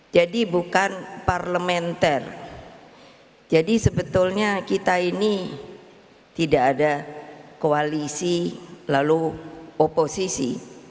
jadi bukan parlementer jadi sebetulnya kita ini tidak ada koalisi lalu oposisi